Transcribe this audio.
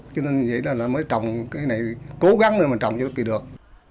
cho nên vậy là mới trồng cái này cố gắng rồi mà trồng cho đất kỳ được